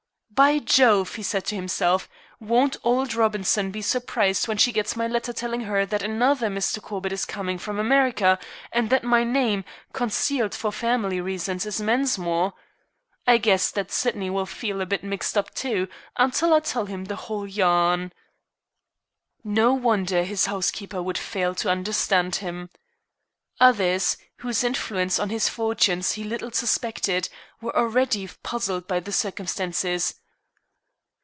"By Jove!" he said to himself, "won't old Robinson be surprised when she gets my letter telling her that another Mr. Corbett is coming from America, and that my name, concealed for family reasons, is Mensmore. I guess that Sydney will feel a bit mixed up, too, until I tell him the whole yarn." No wonder his housekeeper would fail to understand him. Others, whose influence on his fortunes he little suspected, were already puzzled by the circumstances.